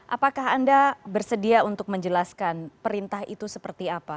apakah anda bersedia untuk menjelaskan perintah itu seperti apa